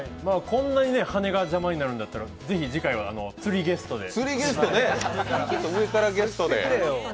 こんなに羽が邪魔になるんだったら、ぜひ、次回はつりゲストで。